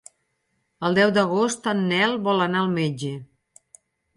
El deu d'agost en Nel vol anar al metge.